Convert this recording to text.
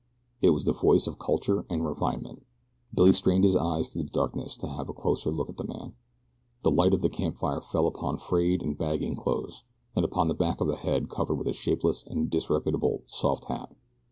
It was the voice of culture and refinement. Billy strained his eyes through the darkness to have a closer look at the man. The light of the camp fire fell upon frayed and bagging clothes, and upon the back of a head covered by a shapeless, and disreputable soft hat.